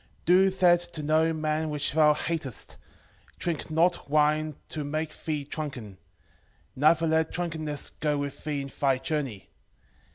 4:15 Do that to no man which thou hatest: drink not wine to make thee drunken: neither let drunkenness go with thee in thy journey.